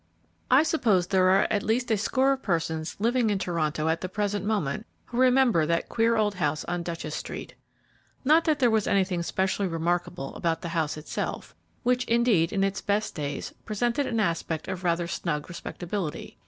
I suppose there are at least a score of persons living in Toronto at the present moment who remember that queer old house on Duchess street. Not that there was anything specially remarkable about the house itself, which indeed, in its best days, presented an aspect of rather snug respectability.